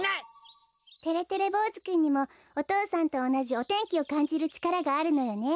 てれてれぼうずくんにもお父さんとおなじお天気をかんじるちからがあるのよね。